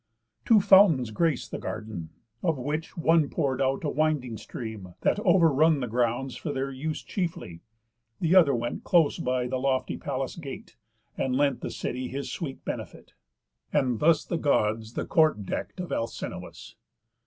Two fountains grac'd the garden; of which, one Pour'd out a winding stream that over run The grounds for their use chiefly, th' other went Close by the lofty palace gate, and lent The city his sweet benefit. And thus The Gods the court deck'd of Alcinous.